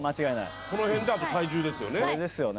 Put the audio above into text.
この辺であと体重ですよね。